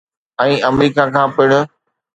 ۽ آمريڪا کان پڻ.